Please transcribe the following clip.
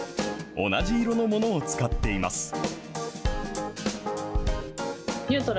同じ色のものを使っています。